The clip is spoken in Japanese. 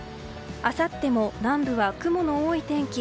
あさっても南部は雲の多い天気。